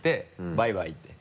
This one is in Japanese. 「バイバイ」って？